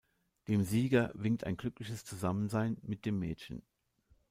Dem Sieger winkt ein glückliches Zusammensein mit dem Mädchen.